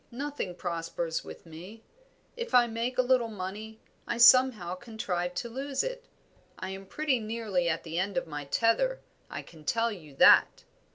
Nothing prospers with me. If I make a little money I somehow contrive to lose it. I am pretty nearly at the end of my tether, I can tell you that?"